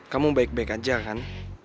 kamu baik baik aja kan